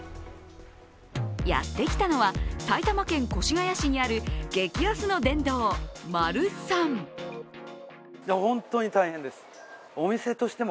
やってきたのは埼玉県越谷市にある激安の殿堂、マルサン。